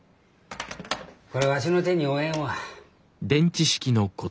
これわしの手に負えんわ。